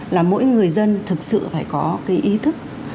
là mỗi người dân thực sự phải có cái ý thức